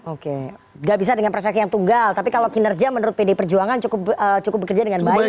oke gak bisa dengan perspektif yang tunggal tapi kalau kinerja menurut pdi perjuangan cukup bekerja dengan baik